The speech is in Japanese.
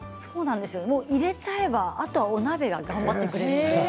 入れちゃえば、あとはお鍋が頑張ってくれます。